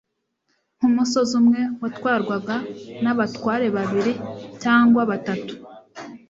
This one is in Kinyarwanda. nk'umusozi umwe watwarwaga n'abatware babiri cyangwa batatu